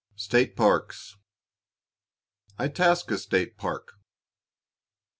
STATE PARKS. ITASCA STATE PARK.